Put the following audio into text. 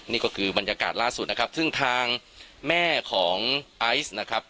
นี่ก็คือบรรยากาศล่าสุดนะครับซึ่งทางแม่ของไอซ์นะครับ